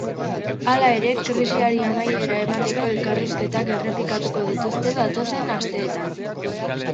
Hala ere, krisiari amaiera emateko elkarrizketak errepikatuko dituzte datozen asteetan.